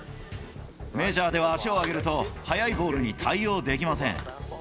メジャーでは足を上げると速いボールに対応できません。